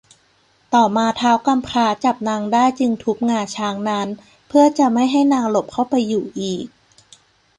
ต่อมาท้าวกำพร้าจับนางได้จึงทุบงาช้างนั้น เพื่อจะไม่ให้นางหลบเข้าไปอยู่อีก